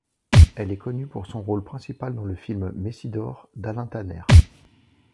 Elle est connue pour son rôle principal dans le film Messidor d'Alain Tanner.